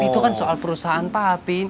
itu kan soal perusahaan pak habib